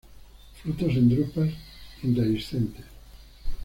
Frutos en drupas, indehiscentes.